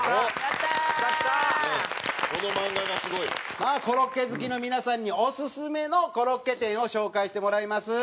さあコロッケ好きの皆さんにオススメのコロッケ店を紹介してもらいます。